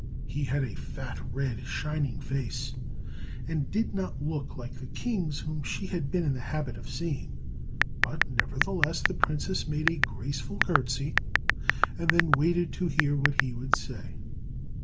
He had a fat, red, shining face, and did not look like the kings whom she had been in the habit of seeing; but nevertheless the princess made a graceful courtesy, and then waited to hear what he would say.